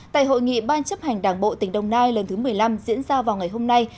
tại hội nghị ban chấp hành đảng bộ tỉnh đồng nai lần thứ một mươi năm diễn ra vào ngày hôm nay